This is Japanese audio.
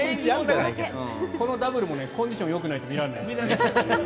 このダブルもコンディションがよくないと見られないから。